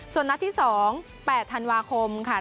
ส่วนนัดที่๒๘ธันวาคมค่ะ